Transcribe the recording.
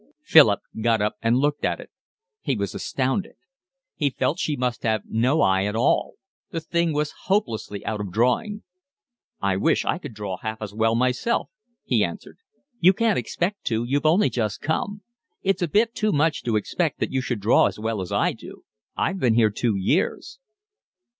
Philip got up and looked at it. He was astounded; he felt she must have no eye at all; the thing was hopelessly out of drawing. "I wish I could draw half as well myself," he answered. "You can't expect to, you've only just come. It's a bit too much to expect that you should draw as well as I do. I've been here two years."